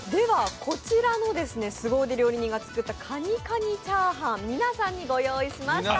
こちらのすご腕料理人が作ったかにチャーハン、皆さんに御用意しました。